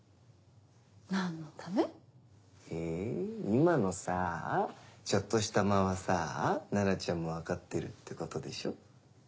今のさぁちょっとした間はさぁ菜奈ちゃんも分かってるってことでしょ？